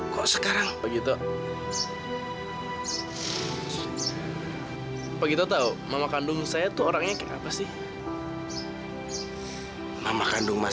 kok sekarang begitu tahu mama kandung saya tuh orangnya kayak apa sih mama kandung mas